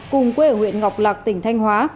cùng quê ở huyện ngọc lạc tỉnh thanh hóa